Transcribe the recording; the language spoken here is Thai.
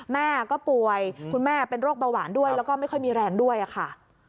แม่ก็ป่วยคุณแม่เป็นโรคเบาหวานด้วยแล้วก็ไม่ค่อยมีแรงด้วยค่ะ